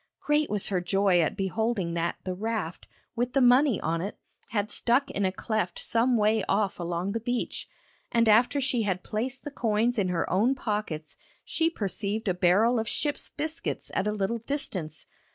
Great was her joy at beholding that the raft, with the money on it, had stuck in a cleft some way off along the beach, and after she had placed the coins in her own pockets she perceived a barrel of ship's biscuits at a little distance.